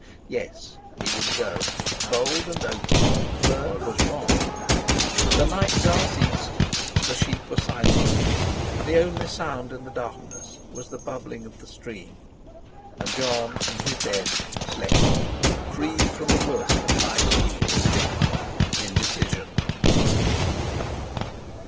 Yes! He would go! Bold and open—Fleur was wrong! The night jar ceased, the sheep were silent; the only sound in the darkness was the bubbling of the stream. And Jon in his bed slept, freed from the worst of life's evils—indecision.